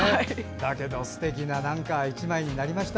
だけどすてきな一枚になりました。